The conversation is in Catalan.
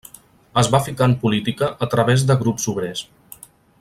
Es va ficar en política a través de grups obrers.